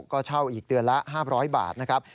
ก็เช่าอีกเดือนละ๕๐๐บาทนะครับ